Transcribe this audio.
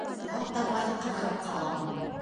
Яуап тапмай ҡаушап ҡаламын.